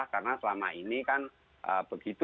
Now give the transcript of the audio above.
karena selama ini kan begitu